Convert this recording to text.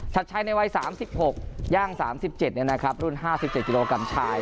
ชัดใช่ในวัย๓๖ย่าง๓๗นะครับรุ่น๕๗จิโรกรัมชาย